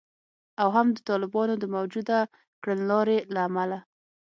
او هم د طالبانو د موجوده کړنلارې له امله